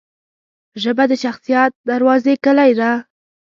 ژبه د شخصیت دروازې کلۍ ده